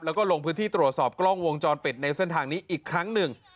แล้วก็ลงพื้นที่ตรวจสอบกล้องวงจรปิดในเส้นทางนี้อีกครั้งหนึ่ง